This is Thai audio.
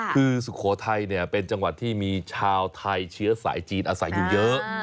คือสุโขทัยเป็นจังหวัดที่มีชาวไทยเชื้อสายจีนอาศัยอยู่เยอะ